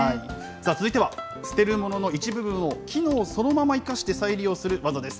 続いては捨てるものの一部分を機能をそのまま生かして再利用する技です。